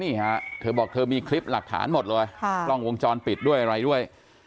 นี่ฮะเธอบอกเธอมีคลิปหลักฐานหมดเลยกล้องวงจรปิดด้วยอะไรด้วย